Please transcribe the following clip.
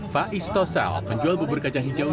faiz tosal penjual bubur kacang hijau